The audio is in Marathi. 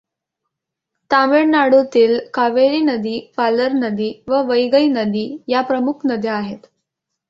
तामिळनाडूतील कावेरी नदी, पालर नदी व वैगई नदी या प्रमुख नद्या आहेत.